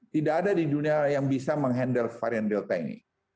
tidak ada di dunia yang bisa menghandle varian delta ini